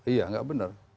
iya gak benar